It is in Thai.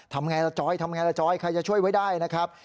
ทำอย่างไรล่ะจอยใครจะช่วยไว้ได้นะครับ